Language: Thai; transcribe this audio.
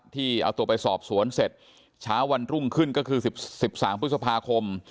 ที่เอาตัวไปสอบสวนเสร็จเช้าวันรุ่งขึ้นก็คือ๑๓พฤษภาคม